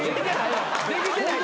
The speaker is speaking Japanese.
できてない。